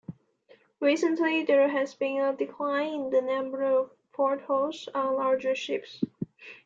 Recently there has been a decline in the number of portholes on larger ships.